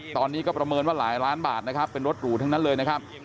ตอนนี้ก็ประเมินว่าหลายล้านบาทนะครับเป็นรถหรูทั้งนั้นเลยนะครับ